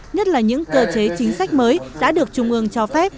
nhất là những cơ chế chính sách mới đã được trung ương cho phép